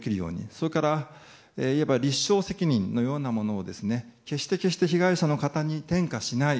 それから、いわば立証責任のようなものを被害者の方に転嫁しない。